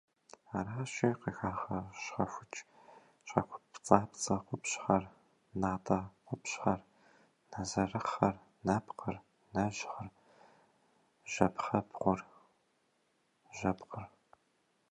Аращи, къыхагъэщхьэхукӏ щхьэкупцӏапцӏэ къупщхьэр, натӏэ къупщхьэр, нэзэрыхъэр, нэпкъыр, нэжьгъыр, жьэ пхъэбгъур, жьэпкъыр.